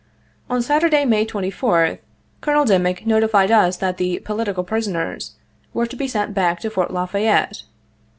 On Saturday, May 24th, Colonel Dimick notified us that the " political prisoners" were to he sent hack to Fort La Fayette.